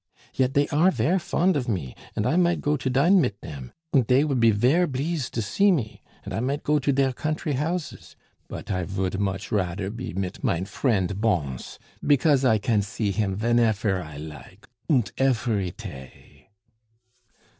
yet dey are ver' fond of me, und I might go to dine mit dem, und dey vould be ver' bleased to see me; und I might go to deir country houses, but I vould much rader be mit mine friend Bons, because I kann see him venefer I like, und efery tay."